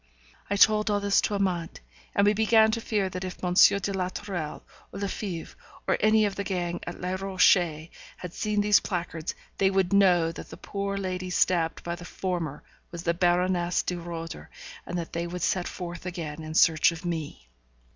I told all this to Amante, and we began to fear that if M. de la Tourelle, or Lefebvre, or any of the gang at Les Rochers, had seen these placards, they would know that the poor lady stabbed by the former was the Baroness de Roeder, and that they would set forth again in search of me.